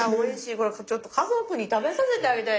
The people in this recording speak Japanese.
これちょっと家族に食べさせてあげたいです。